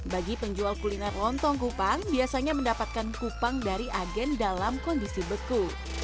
bagi penjual kuliner lontong kupang biasanya mendapatkan kupang dari agen dalam kondisi beku